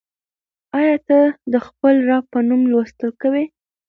آیا ته د خپل رب په نوم لوستل کوې؟